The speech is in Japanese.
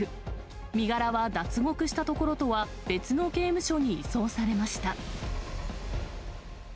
身柄は脱獄した所とは別の刑務所に移送されました。